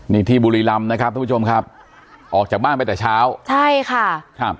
นี่ที่บุรีรำนะครับทุกผู้ชมครับออกจากบ้านไปแต่เช้าใช่ค่ะครับ